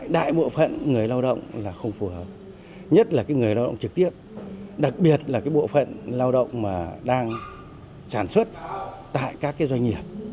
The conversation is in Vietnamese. đại bộ phận người lao động là không phù hợp nhất là người lao động trực tiếp đặc biệt là bộ phận lao động mà đang sản xuất tại các doanh nghiệp